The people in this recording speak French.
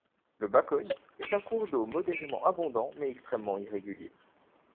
Le Bakoye est un cours d'eau modérément abondant mais extrêmement irrégulier.